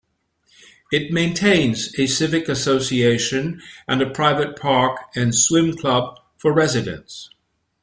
It maintains a Civic Association and a private park and swim club for residents.